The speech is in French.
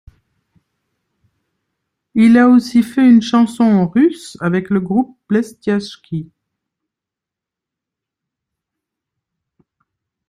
Il a aussi fait une chanson en russe avec le groupe Blestyashchie.